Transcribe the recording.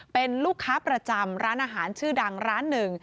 เป็นลูกค้าประจำร้านอาหารชื่อดังร้านหนึ่ง